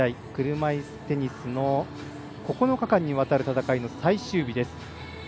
車いすテニスの９日間にわたる戦いの最終日です。